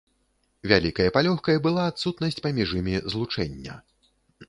Вялікай палёгкай была адсутнасць паміж імі злучэння.